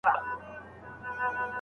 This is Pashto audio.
هیڅوک باید ظلم ونه کړي.